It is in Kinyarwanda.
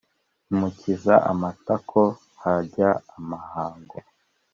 imukiza amatako hajya amahango